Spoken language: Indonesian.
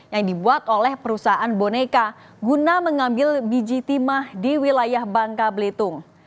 yang dibuat oleh perusahaan boneka guna mengambil biji timah di wilayah bangka belitung